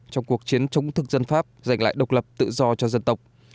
trong cuộc chiến chống thực dân pháp giành lại độc lập tự do cho dân tộc